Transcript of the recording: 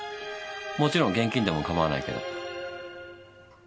もちろん現金でも構わないけど。